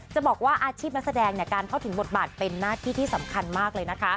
จะบอกว่าอาชีพนักแสดงการเข้าถึงบทบาทเป็นหน้าที่ที่สำคัญมากเลยนะคะ